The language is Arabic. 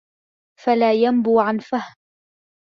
فَلَا يَنْبُو عَنْ فَهْمٍ